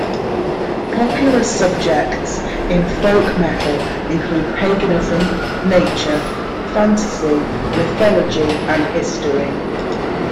Popular subjects in folk metal include paganism, nature, fantasy, mythology and history.